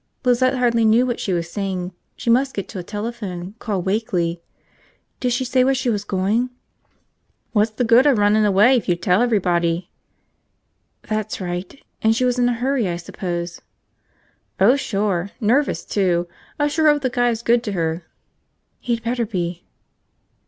Lizette hardly knew what she was saying. She must get to a telephone, call Wakeley. "Did she say where she was going?" "What's the good of runnin' away if you tell everybody?" "That's right. And she was in a hurry, I suppose?" "Oh, sure. Nervous, too. I sure hope the guy's good to her." "He'd better be!"